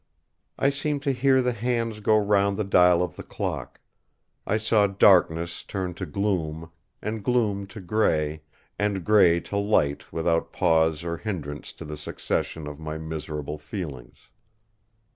I seemed to hear the hands go round the dial of the clock; I saw darkness turn to gloom, and gloom to grey, and grey to light without pause or hindrance to the succession of my miserable feelings.